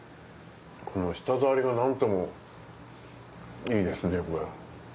この舌触りが何ともいいですねこれ。